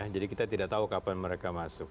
jadi kita tidak tahu kapan mereka masuk